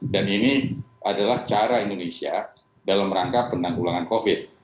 dan ini adalah cara indonesia dalam rangka penanggulangan covid